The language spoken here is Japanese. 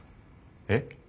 えっ？